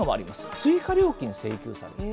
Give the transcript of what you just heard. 追加料金請求される。